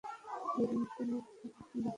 বিয়ের রিংটা নিয়ে কথা বলছিলাম।